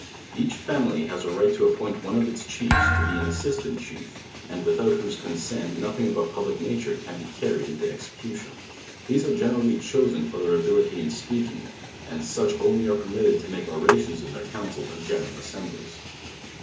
Each fan.ily Ivis a right to appoint one of its chiefs to be an sssistai/t cliLf, and vvithoi.t who^e consent nothing of a public nature can be carried into execuiiM These are gen erally chosen >r their ability in speakinJJ and such only are LEWIS AND CLARKE. 69 permitted to mako orations in their councils and general as sembles.